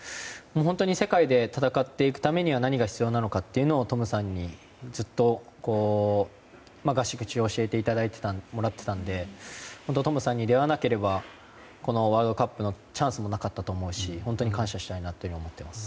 本当に世界で戦っていくためには何が必要なのかというのをトムさんにずっと合宿中、教えてもらっていたのでトムさんに出会わなければこのワールドカップのチャンスもなかったと思うし本当に感謝したいなと思っています。